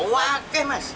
wah oke mas